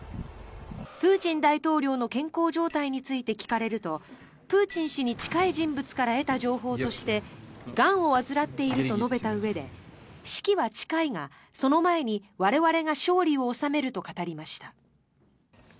プーチン大統領の健康状態について聞かれるとプーチン氏に近い人物から得た情報としてがんを患っていると述べたうえで死期は近いが、その前に我々が勝利を収めると語りました。